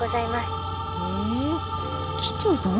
へえ機長さん